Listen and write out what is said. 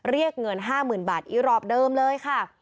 เรียกเงิน๕๐๐๐บาทอีรอบเดิมเลยค่ะ